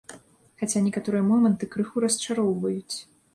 Хаця некаторыя моманты крыху расчароўваюць.